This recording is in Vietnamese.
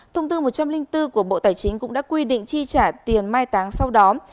thông tư một trăm linh bốn của bộ tài chính cũng đã quy định chi trả tiền mai táng sau đó